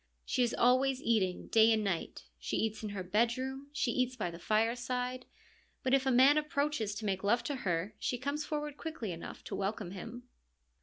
She is always eating, day and night ; she eats in her bedroom, she eats by the fireside. But if a man approaches to make love to her, she comes forward quickly enough to welcome him.